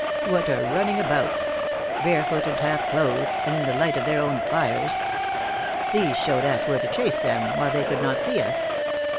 What a running about barefoot and half clothed and in the light of their own fires! These showed us where to chase them, while they could not see us.